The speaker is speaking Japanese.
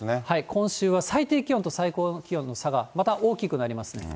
今週は最低気温と最高気温の差がまた大きくなりますね。